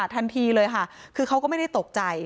คือตอนที่พบศพค่ะคือตอนที่พบศพค่ะ